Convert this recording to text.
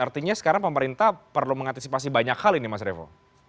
artinya sekarang pemerintah perlu mengantisipasi banyak hal ini mas revo